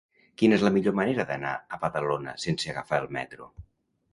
Quina és la millor manera d'anar a Badalona sense agafar el metro?